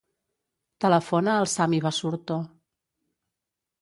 Telefona al Sami Basurto.